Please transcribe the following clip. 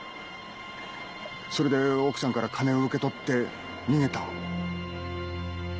それで奥さんから金を受け取って逃げた。